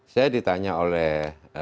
saya ditanya oleh